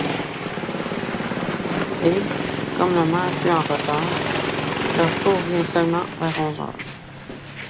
Et, comme le maire fut en retard, leur tour vint seulement vers onze heures.